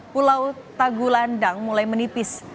pulau tagulandang mulai menipis